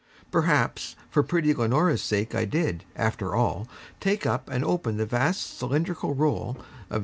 Perhaps for pretty Leonora's sake I did, after all, take up and open the vast cylindrical roll of MS.